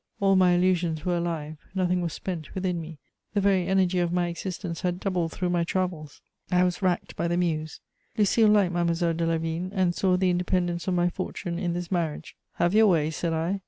All my illusions were alive, nothing was spent within me; the very energy of my existence had doubled through my travels. I was racked by the muse. Lucile liked Mademoiselle de Lavigne, and saw the independence of my fortune in this marriage: "Have your way!" said I.